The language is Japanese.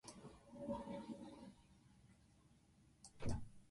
君は鉄塔からおじさんに顔を向け、地面に潜ったあとはどこに続いているのか知っているかときく